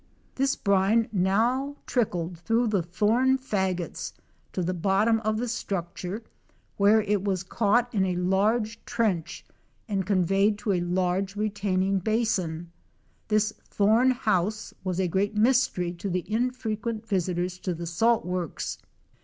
This brine now trickled through the thorn fag gots to the bottom of the structure where it was caught in a large trench and conveyed to a large retaining basin. This "thorn house" was a great mystery to the infrequent visitors to the salt works.